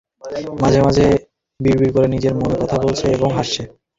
মাঝে-মাঝে বিড়বিড় করে নিজের মনে কথা বলছে এবং হাসছে।